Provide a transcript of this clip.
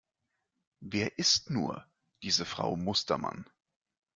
Wer ist nur diese Frau Mustermann?